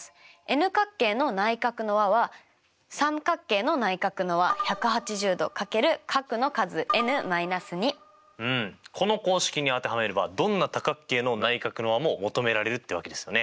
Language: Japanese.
ｎ角形の内角の和は三角形の内角の和この公式に当てはめればどんな多角形の内角の和も求められるってわけですよね。